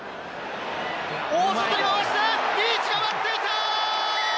大外に回して、リーチが待っていた。